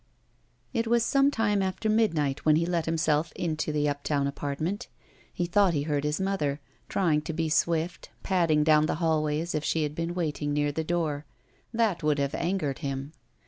It was some time after midnight when he let him self into the uptown apartment. He thought he heard his mother, trjong to be swift, padding down the hallway as if she had been waiting near the door. That would have angered him.